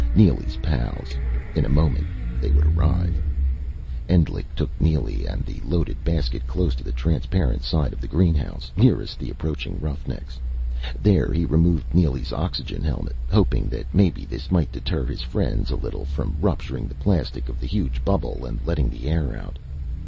Neely's pals. In a moment they would arrive. Endlich took Neely and the loaded basket close to the transparent side of the greenhouse, nearest the approaching roughnecks. There he removed Neely's oxygen helmet, hoping that, maybe, this might deter his friends a little from rupturing the plastic of the huge bubble and letting the air out.